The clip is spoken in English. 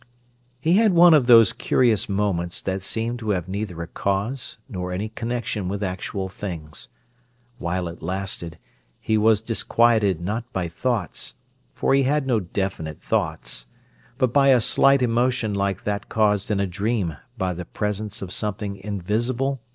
He had one of those curious moments that seem to have neither a cause nor any connection with actual things. While it lasted, he was disquieted not by thoughts—for he had no definite thoughts—but by a slight emotion like that caused in a dream by the presence of something invisible.